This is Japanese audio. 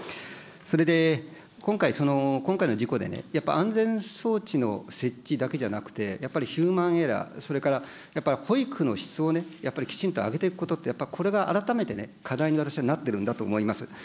それで、今回、今回の事故でね、やっぱり安全装置の設置だけじゃなくて、やっぱりヒューマンエラー、それからやっぱり保育の質をやっぱりきちんと上げていくことって、やっぱりこれが改めて課題に、私はなってるんだと思います。